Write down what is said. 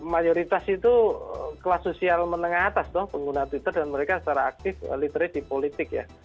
mayoritas itu kelas sosial menengah atas dong pengguna twitter dan mereka secara aktif literate di politik ya